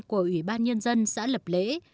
của ủy ban nhân dân xã lập lễ